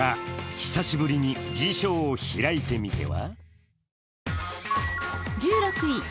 久しぶりに辞書を開いてみては？